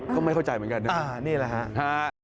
ก็ไม่เข้าใจเหมือนกันนะครับอ่านี่แหละครับฮ่า